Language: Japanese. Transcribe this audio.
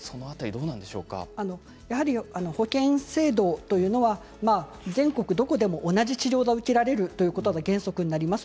やはり保険制度というのは全国どこでも同じ治療が受けられるというのが原則です。